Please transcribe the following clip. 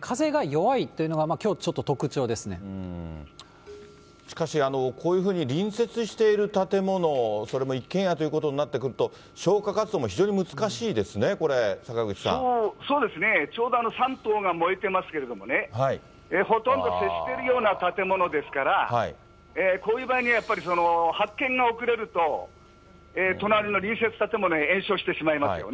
風が弱いというのがきょう、しかし、こういうふうに隣接している建物、それも一軒家ということになってくると、消火活動も非常に難しいですね、これ、そうですね、ちょうど３棟が燃えてますけれどもね、ほとんど接しているような建物ですから、こういう場合にはやっぱり、発見が遅れると、隣の隣接建物へ延焼してしまいますよね。